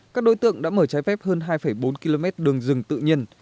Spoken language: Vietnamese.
các đối tượng đã mở trái phép hơn hai bốn km đường rừng tự nhiên